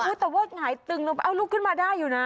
อ้าวแต่ไหงตึงลงไปเอารูขึ้นมาได้อยู่นะ